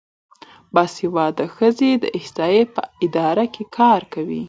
باسواده ښځې د احصایې په اداره کې کار کوي.